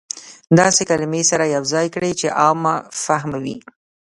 داسې کلمې سره يو ځاى کړى چې عام فهمه وي.